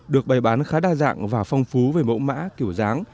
được bày bán khá đa dạng và phong phú về mẫu mã kiểu dáng